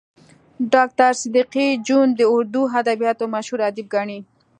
ډاکټر صدیقي جون د اردو ادبياتو مشهور ادیب ګڼي